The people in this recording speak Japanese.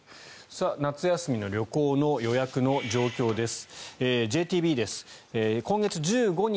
夏休みの旅行の予約の状況です。